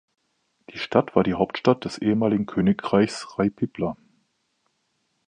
Die Stadt war die Hauptstadt des ehemaligen Königreichs Rajpipla.